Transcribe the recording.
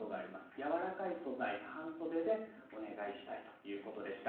やわらかい素材半袖でお願いしたいということでした。